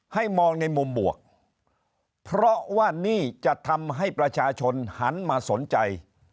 มองในมุมบวกเพราะว่านี่จะทำให้ประชาชนหันมาสนใจ